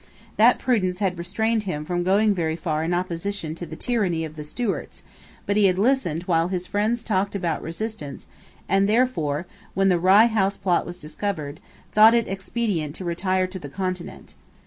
That prudence had restrained him from going very far in opposition to the tyranny of the Stuarts: but he had listened while his friends talked about resistance, and therefore, when the Rye House plot was discovered, thought it expedient to retire to the Continent.